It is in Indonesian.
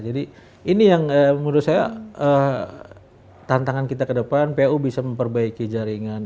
jadi ini yang menurut saya tantangan kita ke depan pu bisa memperbaiki jaringan